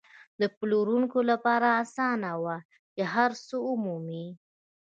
د پلورونکو لپاره اسانه نه وه چې هر څه ومومي.